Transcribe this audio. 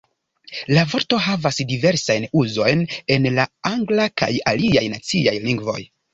La vorto havas diversajn uzojn en la angla kaj aliaj naciaj lingvoj.